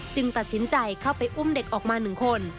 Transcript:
ตัดสินใจเข้าไปอุ้มเด็กออกมา๑คน